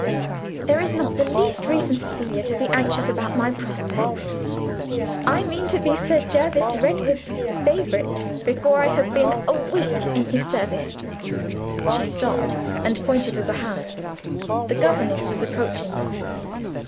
"There is not the least reason, Cecilia, to be anxious about my prospects. I mean to be Sir Jervis Redwood's favorite before I have been a week in his service." She stopped, and pointed to the house. The governess was approaching them.